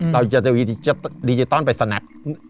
เราจะดิจิตอลไปสนัก